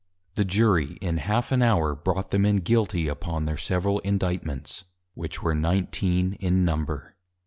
_ The Jury in half an hour brought them in Guilty upon their several Indictments, which were Nineteen in Number.